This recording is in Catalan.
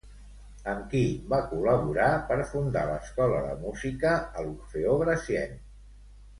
Amb qui va col·laborar per fundar l'Escola de Música a l'Orfeó Gracienc?